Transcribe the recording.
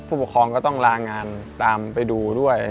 ผู้ปกครองก็ต้องลางานตามไปดูด้วย